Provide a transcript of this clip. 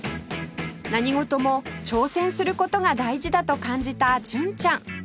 何事も挑戦する事が大事だと感じた純ちゃん